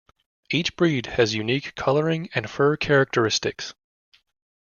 Each breed has unique coloring and fur characteristics.